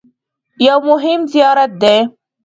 یو مهم زیارت دی.